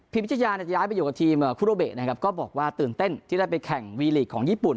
พิชยาจะย้ายไปอยู่กับทีมคุโรเบะนะครับก็บอกว่าตื่นเต้นที่ได้ไปแข่งวีลีกของญี่ปุ่น